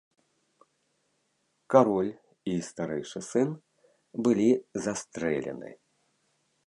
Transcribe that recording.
Кароль і старэйшы сын былі застрэлены.